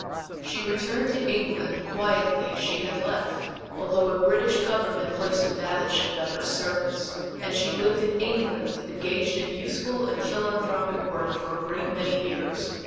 She returned to England quietly as she had left, although a British Government placed a battleship at her service and she lived in England engaged in useful and philanthropic work for a great many years.